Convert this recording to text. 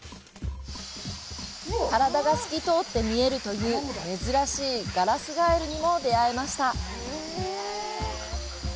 体が透き通って見えるという珍しいガラスガエルにも出会えました。